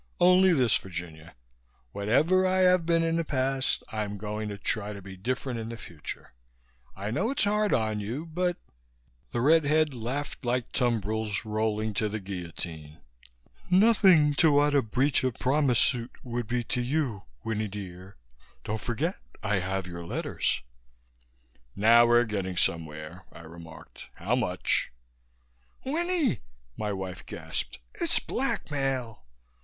"Only this, Virginia. Whatever I have been in the past, I'm going to try to be different in the future. I know it's hard on you but " The red head laughed like tumbrils rolling to the guillotine. "Nothing to what a breach of promise suit would be to you, Winnie dear. Don't forget I have your letters." "Now we're getting somewhere," I remarked. "How much?" "Winnie!" my wife gasped. "It's blackmail!"